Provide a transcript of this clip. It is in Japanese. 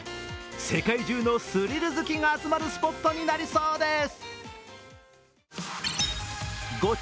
世界中のスリル好きが集まるスポットになりそうです。